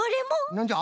なんじゃ？